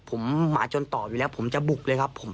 ผมหมาจนตอบอยู่แล้วผมจะบุกเลยครับผม